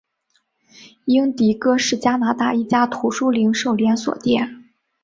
英迪戈是加拿大一家图书零售连锁店。